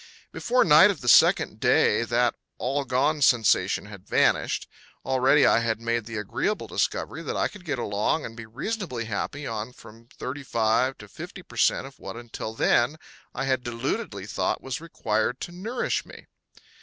Before night of the second day that all gone sensation had vanished. Already I had made the agreeable discovery that I could get along and be reasonably happy on from 35 to 50 per cent of what until then I had deludedly thought was required to nourish me.